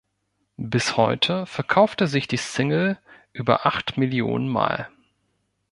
Bis heute verkaufte sich die Single über acht Millionen Mal.